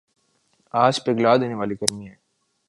آج پگھلا دینے والی گرمی ہے